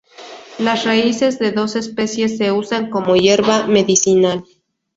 Las raíces de dos especies se usan como hierba medicinal.